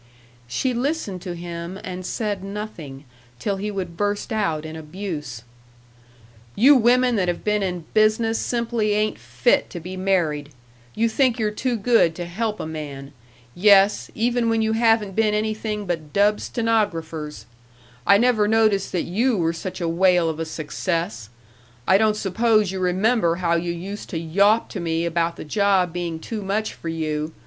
She listened to him and said nothing, till he would burst out in abuse: "You women that have been in business simply ain't fit to be married. You think you're too good to help a man. Yes, even when you haven't been anything but dub stenographers. I never noticed that you were such a whale of a success! I don't suppose you remember how you used to yawp to me about the job being too much for you!